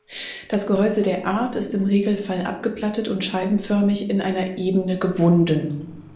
Das Gehäuse der Art ist im Regelfall abgeplattet und scheibenförmig in einer Ebene gewunden.